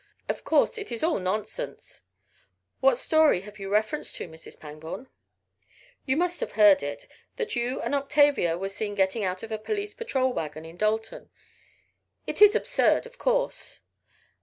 Of course it is all nonsense " "What story have you reference to, Mrs. Pangborn?" "You must have heard it. That you and Octavia were seen getting out of a police patrol wagon in Dalton. It is absurd, of course."